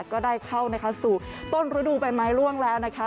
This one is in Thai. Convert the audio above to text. ก็ได้เข้านะคะสู่ต้นฤดูใบไม้ล่วงแล้วนะคะ